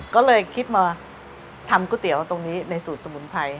ก็เลยคิดมาทำก๋วยเตี๋ยวตรงนี้ในสูตรสมุนไพร